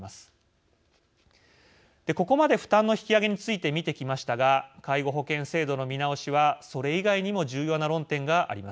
ここまで負担の引き上げについて見てきましたが介護保険制度の見直しはそれ以外にも重要な論点があります。